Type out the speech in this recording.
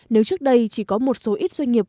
nếu trước đây chỉ có một số ít doanh nghiệp